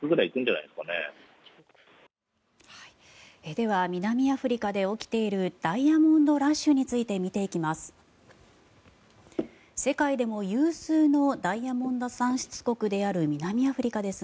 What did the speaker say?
では南アフリカで起きているダイヤモンド・ラッシュについて見ていきます。